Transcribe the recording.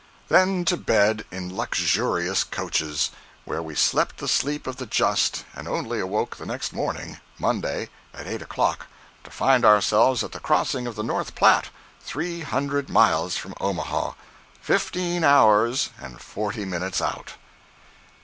Then to bed in luxurious couches, where we slept the sleep of the just and only awoke the next morning (Monday) at eight o'clock, to find ourselves at the crossing of the North Platte, three hundred miles from Omaha—fifteen hours and forty minutes out."